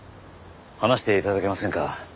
話して頂けませんか？